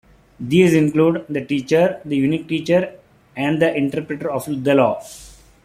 These include: "the teacher", "the unique teacher" and "the interpreter of the law.